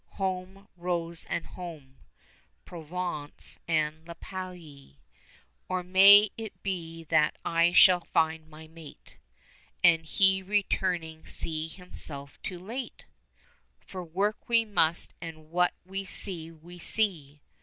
Home, Rose, and home, Provence and La Palie. 35 Or may it be that I shall find my mate, And he returning see himself too late? For work we must, and what we see, we see.